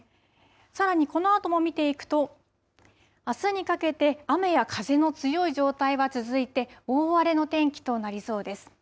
さらにこのあとも見ていくと、あすにかけて雨や風の強い状態は続いて、大荒れの天気となりそうです。